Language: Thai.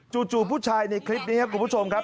จู่ผู้ชายในคลิปนี้ครับคุณผู้ชมครับ